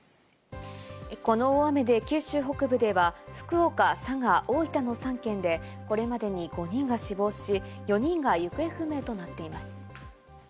この大雨で九州北部では福岡、佐賀、大分の３県でこれまでに５人が死亡し、４人が行方不明となっています。